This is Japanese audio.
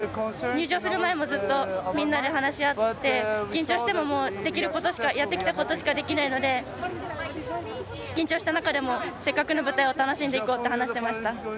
緊張していて入場する前からずっとみんなで話し合って緊張してもやってきたことしかできないので緊張した中でもせっかくの舞台を楽しんでいこうと話していました。